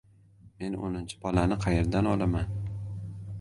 «Men o‘ninchi bolani qayerdan olaman?».